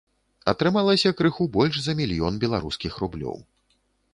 Атрымалася крыху больш за мільён беларускіх рублёў.